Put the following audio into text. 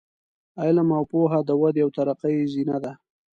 علم او پوهه د ودې او ترقۍ زینه ده.